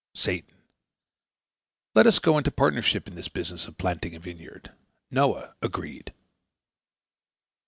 Satan: "Let us go into partnership in this business of planting a vineyard." Noah: "Agreed!"